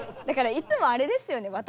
だからいつもあれですよね？